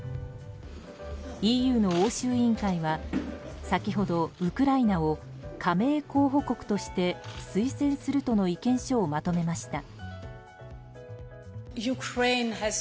ＥＵの欧州委員会は先ほどウクライナを加盟候補国として推薦するとの意見書をまとめました。